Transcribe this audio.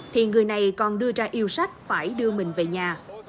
thì người này còn đưa ra yêu sách phải đưa mình về nhà